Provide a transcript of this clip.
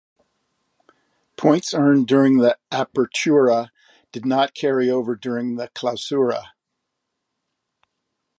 Points earned during the Apertura did not carry over during the Clausura.